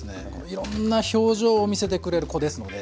いろんな表情を見せてくれる子ですので。